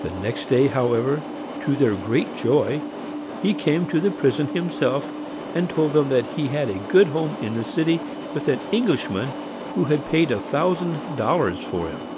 The next day, however, to their great joy, he came to the prison himself, and told them he had a good home in the city with an Englishman, who had paid a thousand dollars for him.